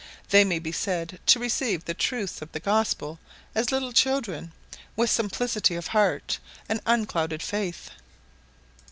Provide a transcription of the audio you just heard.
They may be said to receive the truths of the Gospel as little children, with simplicity of heart and unclouded faith.